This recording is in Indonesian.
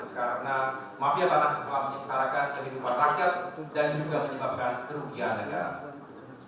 karena mafia tanah telah menyesarakan kelimpuan rakyat dan juga menyebabkan kerugian negara